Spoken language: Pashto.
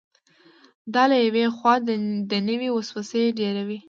دا له یوې خوا دنیوي وسوسې ډېروي.